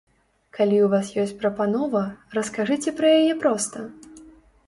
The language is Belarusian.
Калі ў вас ёсць прапанова, раскажыце пра яе проста!